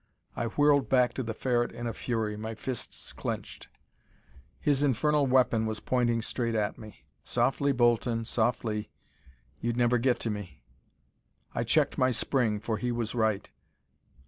I whirled back to the Ferret in a fury, my fists clenched. His infernal weapon was pointing straight at me. "Softly, Bolton, softly. You'd never get to me." I checked my spring, for he was right.